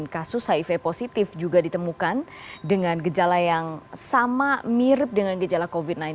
kasus hiv positif juga ditemukan dengan gejala yang sama mirip dengan gejala covid sembilan belas